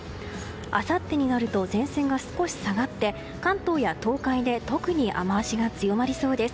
あさってになると前線が少し下がって関東や東海で特に雨脚が強まりそうです。